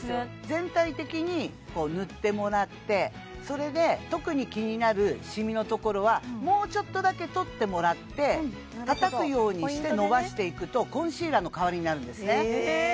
全体的に塗ってもらってそれで特に気になるシミのところはもうちょっとだけ取ってもらってたたくようにしてのばしていくとコンシーラーの代わりになるんですね